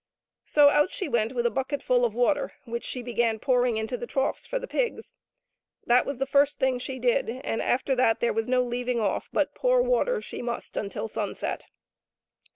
So out she went with a bucketful of water which she began pouring into the troughs for the pigs. That was the first thing she did, and after that there was no leaving off, but pour water she must until sunset.